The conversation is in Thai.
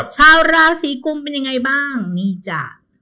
ชาวราศีกุมเป็นยังไงบ้างนี่จ้ะ